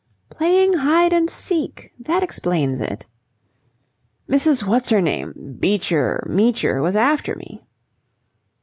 "Playing hide and seek? That explains it." "Mrs. What's her name Beecher Meecher was after me."